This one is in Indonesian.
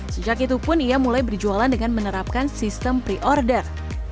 sejak itu pun ia mulai berjualan dengan menerapkan sistem pre order